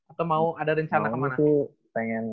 atau mau ada rencana kemana